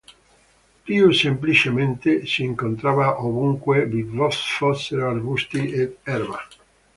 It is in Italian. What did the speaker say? Più semplicemente, si incontrava ovunque vi fossero arbusti ed erba.